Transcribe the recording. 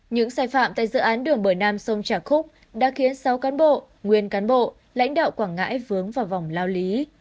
những sai phạm tại dự án đường bờ nam sông trà khúc đã khiến sáu cán bộ nguyên cán bộ lãnh đạo quảng ngãi vướng vào vòng lao lý